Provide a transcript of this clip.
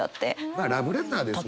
まあラブレターですよね。